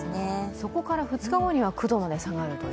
そこから２日後には９度まで下がるという。